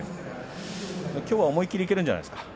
きょうは思い切りいけるんじゃないですか。